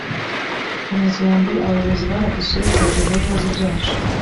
mu mizo ya mbere abayobozi baradusuye tubagezaho ibibazo byacu